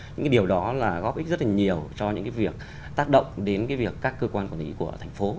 những điều đó góp ích rất là nhiều cho những việc tác động đến các cơ quan quản lý của thành phố